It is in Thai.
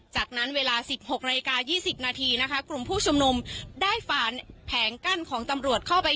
จากนั้นเวลา๑๖นาฬิกา๒๐นาทีนะคะกลุ่มผู้ชุมนุมได้ฝ่านแผงกั้นของตำรวจเข้าไป